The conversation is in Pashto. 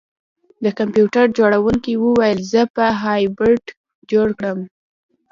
د کمپیوټر جوړونکي وویل زه به هایبریډ جوړ کړم